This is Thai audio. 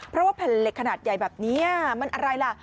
เพราะว่าแผ่นเหล็กขนาดใหญ่แบบนี้มันอะไรล่ะ